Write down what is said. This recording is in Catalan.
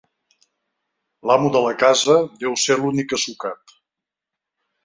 L'amo de la casa deu ser l'únic que ha sucat.